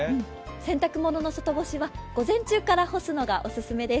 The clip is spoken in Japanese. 洗濯物の外干しは午前中から干すのがおすすめです。